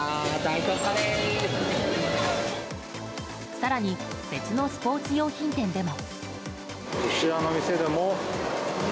更に別のスポーツ用品店でも。